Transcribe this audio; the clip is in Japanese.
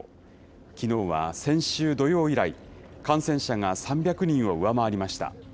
きのうは先週土曜以来、感染者が３００人を上回りました。